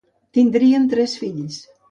Tindrien tres fills.